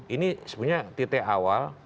ini sebenarnya titik awal